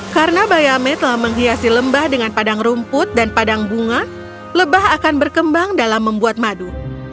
karena bayame telah menghiasi lembah dengan padang rumput dan padang bunga lebah akan berkembang dalam membuat madu